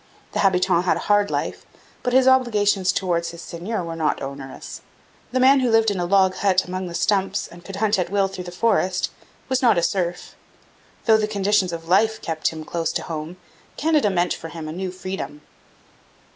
The habitant had a hard life, but his obligations towards his seigneur were not onerous. The man who lived in a log hut among the stumps and could hunt at will through the forest was not a serf. Though the conditions of life kept him close to his home, Canada meant for him a new freedom.